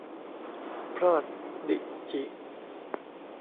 พรอดดิจิ